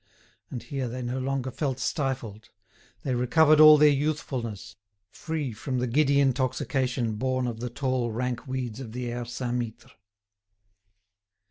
And here they no longer felt stifled; they recovered all their youthfulness, free from the giddy intoxication born of the tall rank weeds of the Aire Saint Mittre.